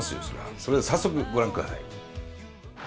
それでは早速ご覧ください。